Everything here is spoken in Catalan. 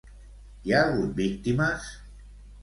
Hi ha hagut víctimes?